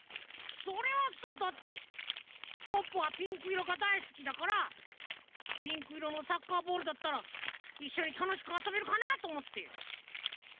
それはさだってポッポはピンクいろがだいすきだからピンクいろのサッカーボールだったらいっしょにたのしくあそべるかなとおもって。